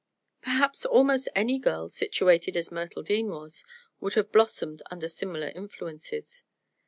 Perhaps almost any girl, situated as Myrtle Dean was, would have blossomed under similar influences.